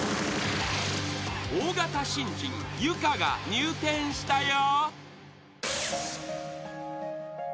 ［大型新人ユカが入店したよ］